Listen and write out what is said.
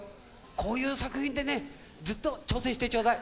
こういう作品でね、ずっと挑戦してちょうだい。